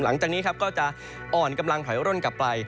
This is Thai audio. หลังจากนี้ครับก็จะอ่อนกำลังถอยร่นกลับไป